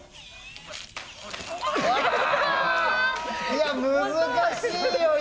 いや難しいよ！